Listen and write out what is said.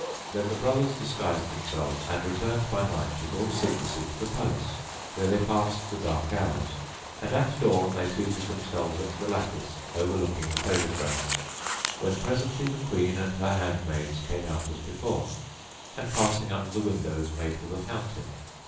Then the brothers disguised themselves and returned by night with all secrecy to the palace, where they passed the dark hours: and at dawn they seated themselves at the lattice overlooking the pleasure grounds, when presently the Queen and her handmaids came out as before, and passing under the windows made for the fountain.